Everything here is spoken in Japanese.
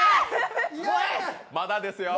まだですよ。